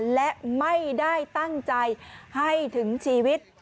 และไม่ได้ตั้งใจให้ถึงชีวิต